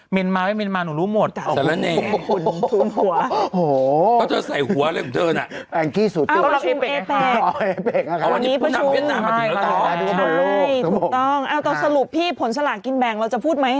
วันนี้ประชุมใช่ถูกต้องเอาตัวสรุปพี่ผลสละกินแบงค์เราจะพูดไหม